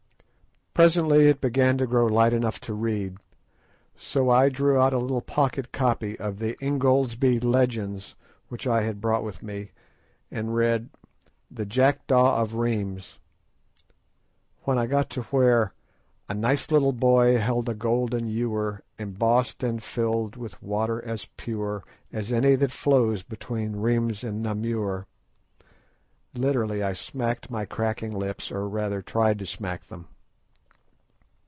Presently it began to grow light enough to read, so I drew out a little pocket copy of the "Ingoldsby Legends" which I had brought with me, and read "The Jackdaw of Rheims." When I got to where "A nice little boy held a golden ewer, Embossed, and filled with water as pure As any that flows between Rheims and Namur," literally I smacked my cracking lips, or rather tried to smack them.